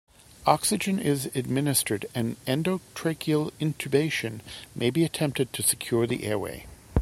Oxygen is administered and endotracheal intubation may be attempted to secure the airway.